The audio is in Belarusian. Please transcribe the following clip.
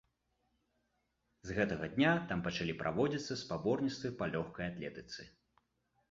З гэтага дня там пачалі праводзіцца спаборніцтвы па лёгкай атлетыцы.